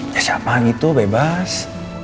ya siapa gitu bebas